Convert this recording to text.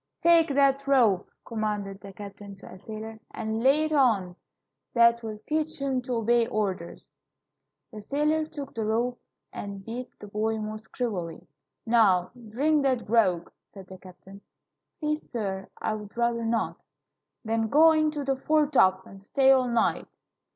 "Take that rope," commanded the captain to a sailor, "and lay it on; that will teach him to obey orders." The sailor took the rope, and beat the boy most cruelly. "Now, drink that grog," said the captain. "Please, sir, I would rather not." "Then go into the foretop and stay all night."